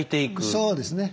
そうですね。